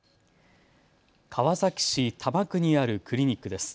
川崎市多摩区にあるクリニックです。